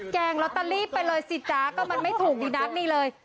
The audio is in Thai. แกงลอตเตอรี่ไปเลยสิจ๊ะก็มันไม่ถูกดีนักนี่เลย